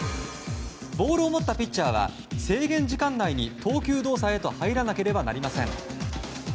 ボールを持ったピッチャーは制限時間内に投球動作へと入らなければなりません。